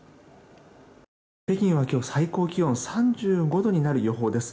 北京は今日最高気温３５度になる予報です。